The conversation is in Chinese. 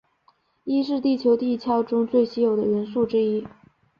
铱是地球地壳中最稀有的元素之一。